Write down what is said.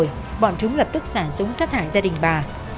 khi ra đến bên đồi bọn chúng lập tức sản súng sát hại gia đình bà